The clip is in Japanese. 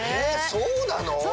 そうなの！